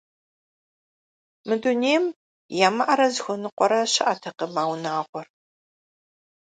Мы дунейм ямыӀэрэ зыхуэныкъуэрэ щыӀэтэкъым а унагъуэр.